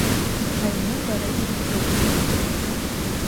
Аҩны бара ибтәуп.